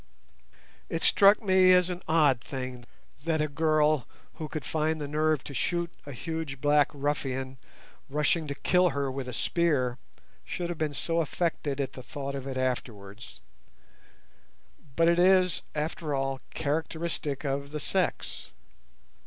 It struck me as an odd thing that a girl who could find the nerve to shoot a huge black ruffian rushing to kill her with a spear should have been so affected at the thought of it afterwards; but it is, after all, characteristic of the sex.